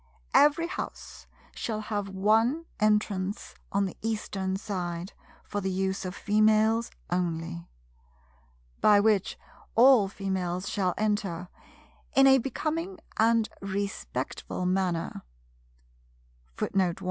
Every house shall have one entrance on the Eastern side, for the use of Females only; by which all females shall enter "in a becoming and respectful manner" and not by the Men's or Western door.